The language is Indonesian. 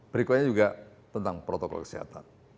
berikutnya juga tentang protokol kesehatan